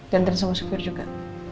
ganteng sama sukuir juga